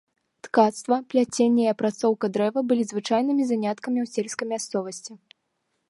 Ткацтва, пляценне і апрацоўка дрэва былі звычайнымі заняткамі ў сельскай мясцовасці.